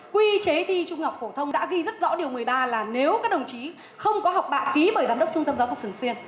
quy chế thi trung học phổ thông đã ghi rất rõ điều một mươi ba là nếu các đồng chí không có học bạ ký bởi giám đốc trung tâm giáo dục thường xuyên